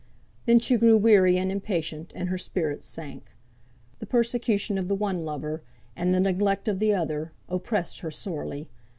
Then she grew weary and impatient, and her spirits sank. The persecution of the one lover, and the neglect of the other, oppressed her sorely.